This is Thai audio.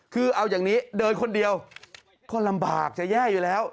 คือเอาอย่างนี้เดินคนเดียวก็ลำบากจะแย่อยู่แล้ว